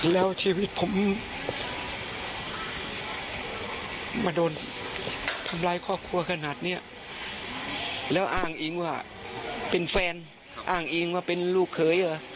แล้วอ้างอิงว่าเป็นแฟนอ้างอิงว่าเป็นลูกเคย